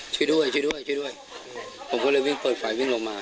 ช่วยด้วยผมก็เลยวิ่งเปิดฝ่ายวิ่งลงมา